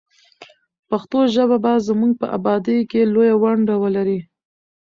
پښتو ژبه به زموږ په ابادۍ کې لویه ونډه ولري.